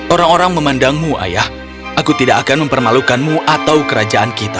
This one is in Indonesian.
orang orang memandangmu ayah aku tidak akan mempermalukanmu atau kerajaan kita